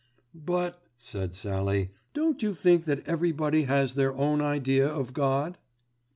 "But," said Sallie, "don't you think that everybody has their own idea of God?"